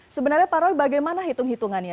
sebenarnya pak roy bagaimana hitung hitungannya